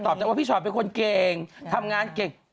ว่าพี่ชอตเป็นคนเก่งทำงานเก่ง